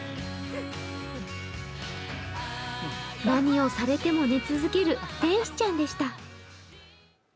何をされても寝続ける天使ちゃんでした。